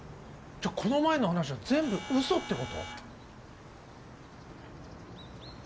じゃあこの前の話は全部嘘ってこと？